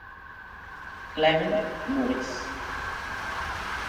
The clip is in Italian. Clément Maurice